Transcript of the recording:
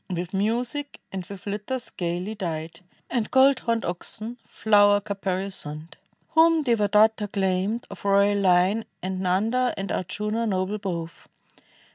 With music, and with litters gayly dight, And gold homed oxcd. flower caparisoned. Whom Devadatta claimed, of royal hne. And Xanda and Ardjuna, noble both.